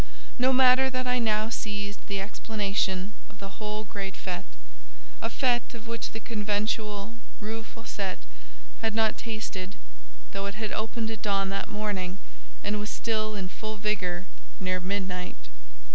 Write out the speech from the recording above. No matter that I now seized the explanation of the whole great fête—a fête of which the conventual Rue Fossette had not tasted, though it had opened at dawn that morning, and was still in full vigour near midnight.